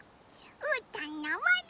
うーたんのぼる！